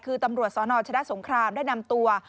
คือตำรวจสนชนะสงครามได้นำตัว